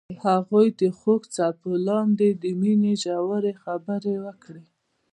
هغوی د خوږ څپو لاندې د مینې ژورې خبرې وکړې.